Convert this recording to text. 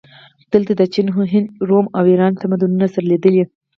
دلته د چین، هند، روم او ایران تمدنونه سره لیدلي